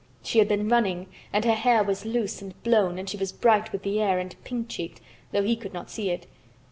She had been running and her hair was loose and blown and she was bright with the air and pink cheeked, though he could not see it.